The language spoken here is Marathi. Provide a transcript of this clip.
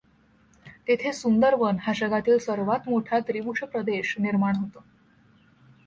तेथे सुंदरबन हा जगातील सर्वात मोठा त्रिभुज प्रदेश निर्माण होतो.